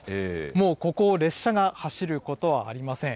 もうここを列車が走ることはありません。